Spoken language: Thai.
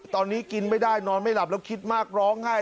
ตอนนี้กินไม่ได้นอนไม่หลับแล้วคิดมากร้องไห้